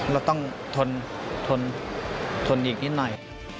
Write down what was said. เราต้องทนอีกนิดหน่อย